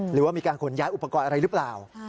หรือว่ามีการขนย้ายอุปกรณ์อะไรหรือเปล่า